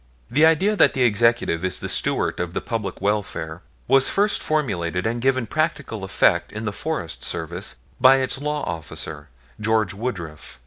The idea that the Executive is the steward of the public welfare was first formulated and given practical effect in the Forest Service by its law officer, George Woodruff.